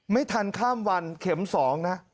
ไม่ทันข้ามวันเข็ม๒นะ